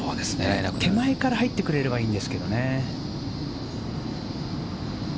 手前から入ってくれればいいんですけどね。